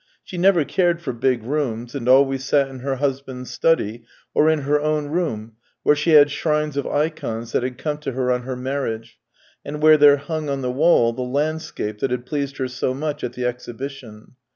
She never cared for big rooms, and always sat in her husband's study or in her own room, where she had shrines of ikons that had come to her on her marriage, and where there hung on the wall the landscape that had pleased her so much at the exhibition.